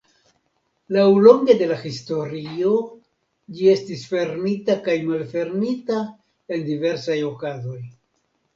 Laŭlonge de la historio ĝi estis fermita kaj malfermita en diversaj okazoj.